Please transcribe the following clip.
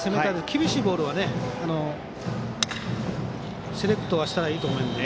厳しいボールはセレクトしたらいいと思います。